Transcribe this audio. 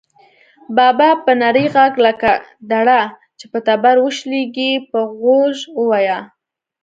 بابا په نري غږ لکه دړه چې په تبر وشلېږي، په غوږ وواهه.